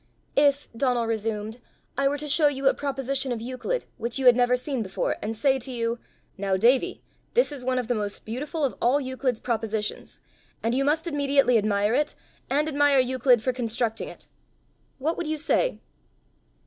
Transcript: "If," Donal resumed, "I were to show you a proposition of Euclid which you had never seen before, and say to you, 'Now, Davie, this is one of the most beautiful of all Euclid's propositions, and you must immediately admire it, and admire Euclid for constructing it!' what would you say?"